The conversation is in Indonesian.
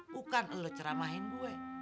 bukan lo ceramahin gue